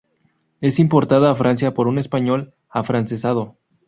Es importada a Francia por un español "afrancesado".